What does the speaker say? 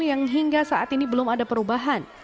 yang hingga saat ini belum ada perubahan